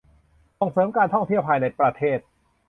ส่งเสริมการท่องเที่ยวภายในประเทศ